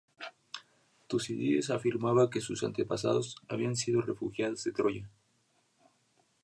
Tucídides afirmaba que sus antepasados habían sido refugiados de Troya.